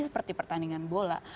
seperti pertandingan bola